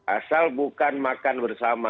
asal bukan makan bersama